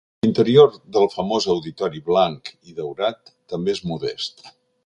L'interior del famós auditori blanc i daurat també és modest.